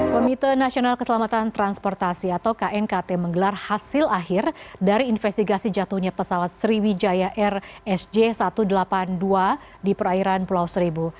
komite nasional keselamatan transportasi atau knkt menggelar hasil akhir dari investigasi jatuhnya pesawat sriwijaya air sj satu ratus delapan puluh dua di perairan pulau seribu